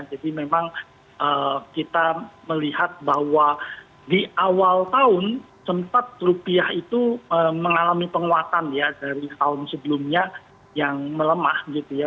jadi memang kita melihat bahwa di awal tahun sempat rupiah itu mengalami penguatan ya dari tahun sebelumnya yang melemah gitu ya